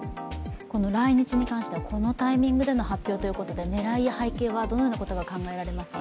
来日に関しては、このタイミングでの発表ということで狙いや背景はどんなことが考えられますか？